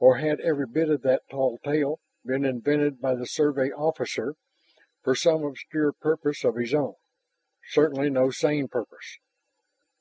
Or had every bit of that tall tale been invented by the Survey officer for some obscure purpose of his own, certainly no sane purpose?